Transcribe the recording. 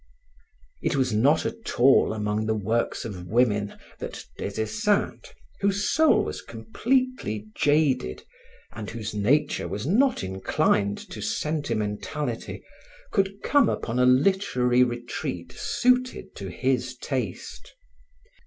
It was not at all among the works of women that Des Esseintes, whose soul was completely jaded and whose nature was not inclined to sentimentality, could come upon a literary retreat suited to his taste.